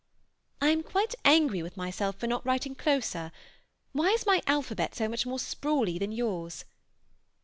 I am quite angry with myself for not writing closer; why is my alphabet so much more sprawly than yours?